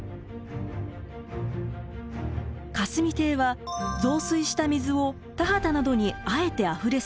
霞堤は増水した水を田畑などにあえてあふれさせ